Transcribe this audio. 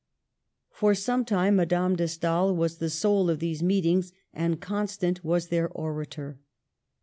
For some time Madame de Stael was the soul of these meetings, and Constant was their orator.